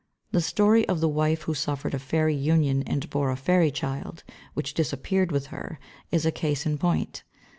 The story of the wife who suffered a fairy union and bore a fairy child which disappeared with her is a case in point.